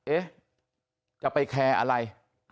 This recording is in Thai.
เอ๊ะจะไปแคร์อะไร